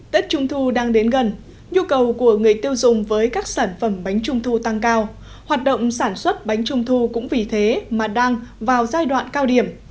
tết trung thu đang đến gần nhu cầu của người tiêu dùng với các sản phẩm bánh trung thu tăng cao hoạt động sản xuất bánh trung thu cũng vì thế mà đang vào giai đoạn cao điểm